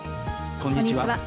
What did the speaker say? こんにちは。